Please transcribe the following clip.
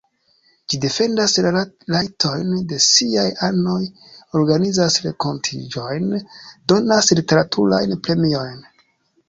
Ĝi defendas la rajtojn de siaj anoj, organizas renkontiĝojn, donas literaturajn premiojn.